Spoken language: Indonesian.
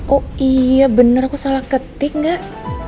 oh iya bener aku salah ketik gak